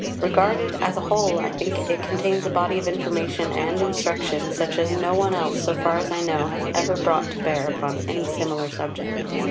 Regarded as a whole, I think it contains a body of information and instruction, such as no one else so far as I know has ever brought to bear upon any similar subject.